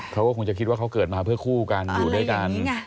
เขาก็คงจะคิดว่าเขาเกิดมาเพื่อคู่กันอยู่ด้วยกัน